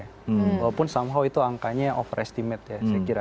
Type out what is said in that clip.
walaupun somehow itu angkanya overestimate